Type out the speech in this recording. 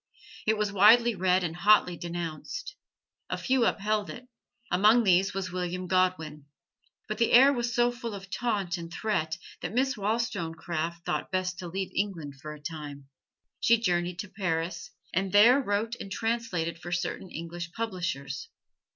It was widely read and hotly denounced. A few upheld it: among these was William Godwin. But the air was so full of taunt and threat that Miss Wollstonecraft thought best to leave England for a time. She journeyed to Paris, and there wrote and translated for certain English publishers.